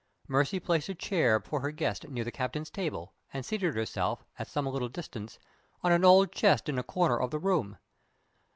Mercy placed a chair for her guest near the captain's table, and seated herself, at some little distance, on an old chest in a corner of the room.